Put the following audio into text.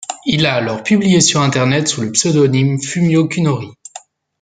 Il l'a alors publié sur Internet sous le pseudonyme Fumio Kunori.